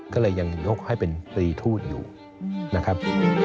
ก็เลยยังยกให้เป็นตรีทูตอยู่นะครับ